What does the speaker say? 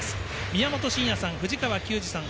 宮本慎也さん、藤川球児さん